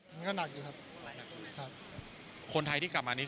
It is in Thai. มันก็หนักอยู่ครับคนไทยที่กลับมานี้